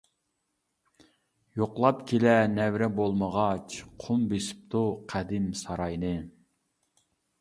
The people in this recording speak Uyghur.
يوقلاپ كېلەر نەۋرە بولمىغاچ، قۇم بېسىپتۇ قەدىم ساراينى.